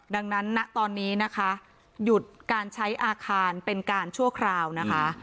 ดังนั้นณตอนนี้นะคะหยุดการใช้อาคารเป็นการชั่วคราวนะคะ